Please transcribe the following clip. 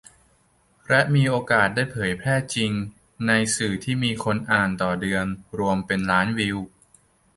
และมีโอกาสได้เผยแพร่จริงในสื่อที่มีคนอ่านต่อเดือนรวมเป็นล้านวิว